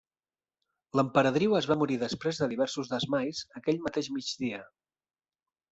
L'emperadriu es va morir després de diversos desmais aquell mateix migdia.